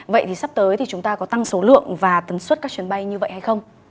vậy thì sắp tới thì chúng ta có tăng số lượng và tấn suất các chuyến bay như vậy hay không